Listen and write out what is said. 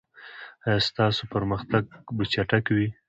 ایا ستاسو پرمختګ به چټک وي؟